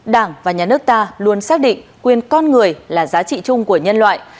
đảng và nhà nước ta luôn xác định quyền con người là giá trị chung của nhân loại